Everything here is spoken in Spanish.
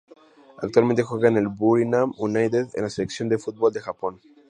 Actualmente juega en el Buriram United y en la selección de fútbol de Japón.